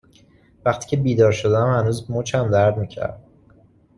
وقتی که بیدار شدم هنوز مچم درد می کرد